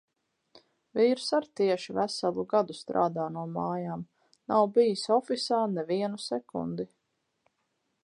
Vīrs ar’ tieši veselu gadu strādā no mājām, nav bijis ofisā ne vienu sekundi.